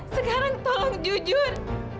sekarang tolong jujur